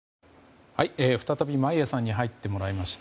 再び眞家さんに入ってもらいました。